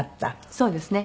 そうですね。